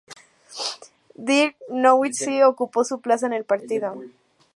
Dirk Nowitzki ocupó su plaza en el partido.